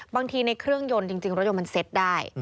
ในเครื่องยนต์จริงรถยนต์มันเซ็ตได้